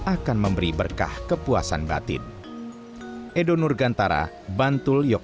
akan memberi berkah kepuasan batin